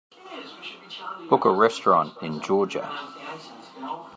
book a restaurant in Georgia